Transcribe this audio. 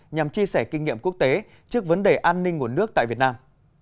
nhằm chia sẻ kinh nghiệm quốc tế trước vấn đề an ninh nguồn nước tại việt nam